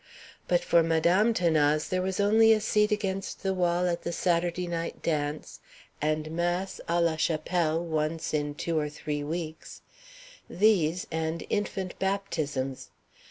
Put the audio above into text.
But for Madame 'Thanase there was only a seat against the wall at the Saturday night dance, and mass à la chapelle once in two or three weeks; these, and infant baptisms.